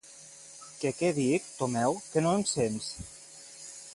Que què dic, Tomeu? Que no em sents?